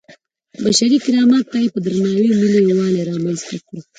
بشري کرامت ته یې په درناوي ملي یووالی رامنځته کړی.